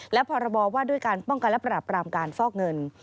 และพรบว่าด้วยการป้องกันและปราบรามการฟอกเงิน